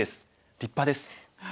立派です。